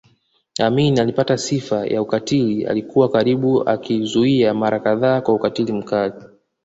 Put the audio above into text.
Amin alipata sifa ya ukatili alikuwa karibu akizuia mara kadhaa kwa ukatili mkali